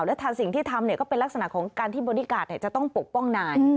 และสิ่งที่ทำก็เป็นลักษณะของการที่บอดี้การ์ดจะต้องปกป้องนาย